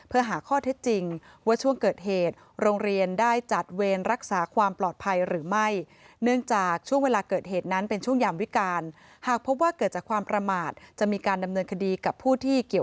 เพื่อหาข้อเท็จจริงเวลาช่วงเกิดเหตุ